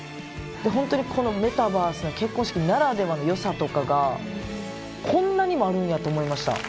本当にこのメタバースの結婚式ならではの良さとかがこんなにもあるんやと思いました。